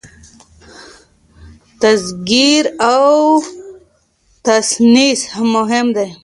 تذکير او تانيث مهم دي.